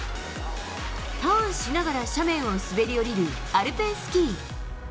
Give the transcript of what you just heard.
ターンしながら斜面を滑り降りるアルペンスキー。